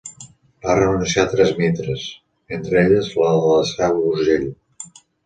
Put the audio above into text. Va renunciar a tres mitres, entre elles la de la Seu d'Urgell.